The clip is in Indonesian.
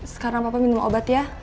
sekarang bapak minum obat ya